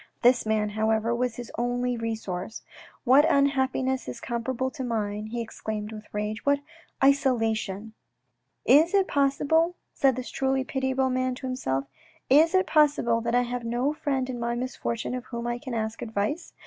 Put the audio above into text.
This man, however, was his only resource. " What unhappiness is comparable to mine," he exclaimed with rage. " What isolation !"" Is it possible ?" said this truly pitiable man to himself. " Is it possible that I have no friend in my misfortune of whom I can ask advice